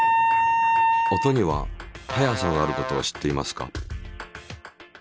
音には速さがあることを知っていますか？